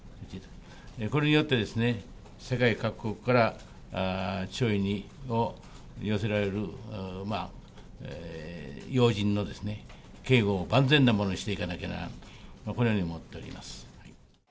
これによってですね、世界各国から弔意を寄せられる要人の警護を、万全なものにしていかなきゃならない、このように思っております。